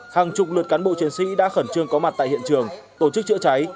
hàng chục lượt cán bộ chiến sĩ đã khẩn trương có mặt tại hiện trường tổ chức chữa cháy